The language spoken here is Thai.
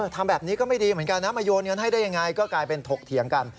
ทำแบบนี้ก็ไม่ดีเหมือนกันนะมาโยนเงินให้ได้ยังไงก็กลายเป็นถกเถียงกัน